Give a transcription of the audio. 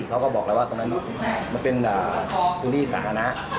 เขาก็บอกแล้วว่าตรงนั้นมันเป็นพื้นที่สาธารณะ